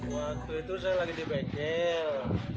waktu itu saya lagi di bengkel